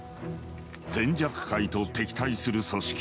天雀会と敵対する組織